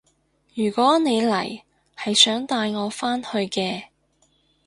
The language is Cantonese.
如果你嚟係想帶我返去嘅